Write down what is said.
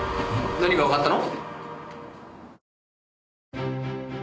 何がわかったの？